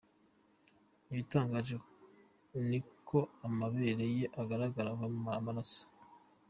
Igitangaje ni uko amabere ye agaragara ava amaraso.